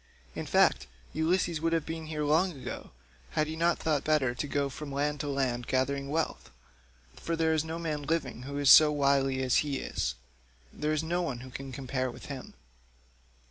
In fact Ulysses would have been here long ago, had he not thought better to go from land to land gathering wealth; for there is no man living who is so wily as he is; there is no one can compare with him.